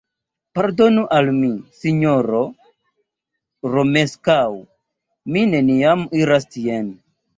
Pardonu al mi, sinjoro Romeskaŭ; mi neniam iras tien.